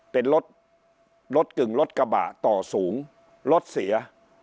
เป็นรถรถกึ่งรถกระบะต่อสูงรถเสีย